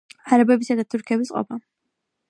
არაბებისა და თურქების ყოფა.